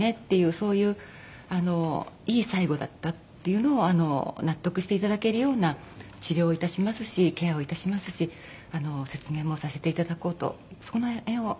そういうあのいい最期だったっていうのを納得していただけるような治療をいたしますしケアをいたしますし説明もさせていただこうとそこの辺を注意しております。